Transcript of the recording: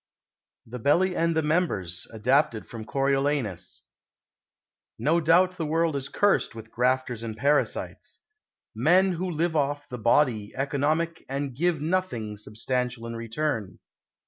_ THE BELLY AND THE MEMBERS (ADAPTED FROM "CORIOLANUS") No doubt the world is cursed with grafters and parasites men who live off the body economic and give nothing substantial in return.